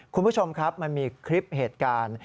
คุณผู้ชมครับมันมีคลิปเหตุการณ์